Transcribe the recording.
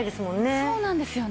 そうなんですよね。